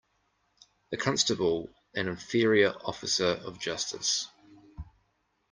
A constable an inferior officer of justice.